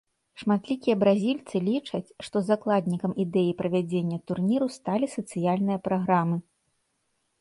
Шматлікія бразільцы лічаць, што закладнікам ідэі правядзення турніру сталі сацыяльныя праграмы.